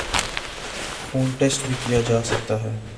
خون ٹیسٹ بھی کیا جاسکتا ہے